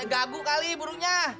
deh gagu kali burungnya